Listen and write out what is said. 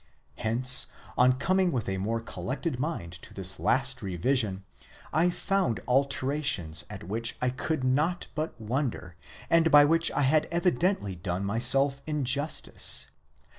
Hence on coming with a more collected mind to this last revision, I found alterations at which I could not but wonder, and by which I had evidently done myself injustice.